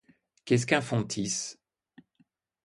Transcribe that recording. Qu'est-ce qu'un fontis?